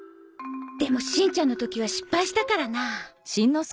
でもしんちゃんの時は失敗したからな。